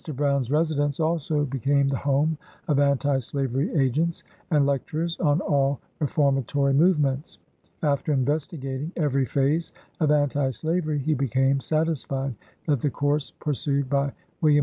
Brown's residence also became the home of Anti Slavery agents, and lecturers on all reformatory move ments. After investigating every phase of Anti Sla very, he became satisfied that the course pursued by Wm.